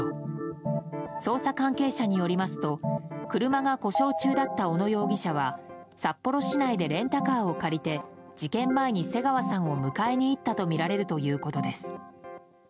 捜査関係者によりますと車が故障中だった小野容疑者は札幌市内でレンタカーを借りて事件前に瀬川さんを迎えに行ったとみられるということです。